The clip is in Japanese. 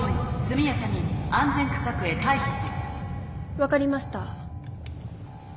分かりました。